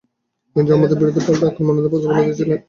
তিনি জার্মানদের বিরুদ্ধে পাল্টা আক্রমণের প্রস্তাবনা দিয়েছিলেন।